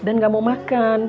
dan ga mau makan